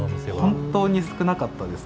本当に少なかったですね。